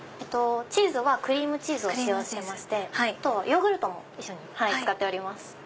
チーズはクリームチーズを使用してましてあとはヨーグルトも一緒に使っております。